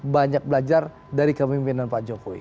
banyak belajar dari kemimpinan pak jokowi